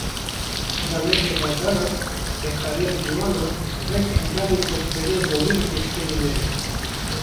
Xizaniya li bajaran, bêkariya ciwanan, wek encamên koçberiya zorî li pêşberî me ne